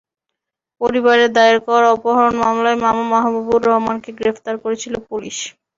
পরিবারের দায়ের করা অপহরণ মামলায় মামা মাহবুবুর রহমানকে গ্রেপ্তার করেছিল পুলিশ।